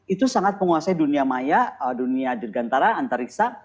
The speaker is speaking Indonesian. itu sangat penguasai dunia maya dunia digantara antariksa